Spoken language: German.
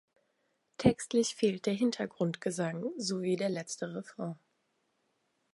Textlich fehlt der Hintergrundgesang, sowie der letzte Refrain.